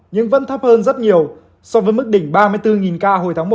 nhưng vẫn thấp hơn rất nhiều so với mức đỉnh ba mươi bốn ca hồi tháng một